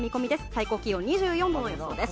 最高気温は２４度の予想です。